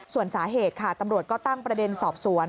ส่วนสาเหตุค่ะตำรวจก็ตั้งประเด็นสอบสวน